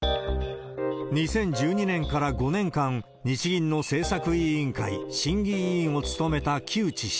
２０１２年から５年間、日銀の政策委員会審議委員を務めた木内氏。